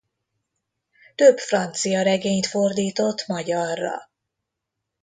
Több francia regényt fordított magyarra.